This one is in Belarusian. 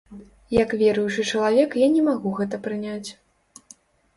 Як веруючы чалавек я не магу гэта прыняць.